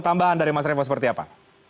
tambahan dari mas revo seperti apa